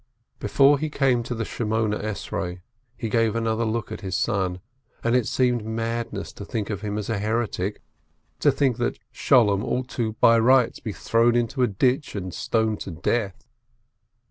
Before he came to the Eighteen Benedictions, he gave another look at his son, and it seemed madness to think of him as a heretic, to think that Sholem ought by rights to be thrown into a ditch and stoned to death.